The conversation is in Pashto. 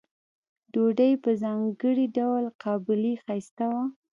ډوډۍ یې په ځانګړي ډول قابلي ښایسته وه.